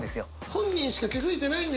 本人しか気付いてないんだよね。